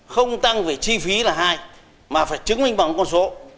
không tăng về chi phí là hai mà phải chứng minh bằng con số